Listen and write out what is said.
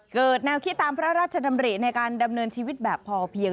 แนวคิดตามพระราชดำริในการดำเนินชีวิตแบบพอเพียง